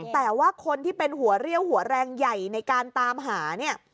แต่ว่าคนที่เป็นหัวเรี่ยวหัวแรงใหญ่ในการตามหาเนี่ย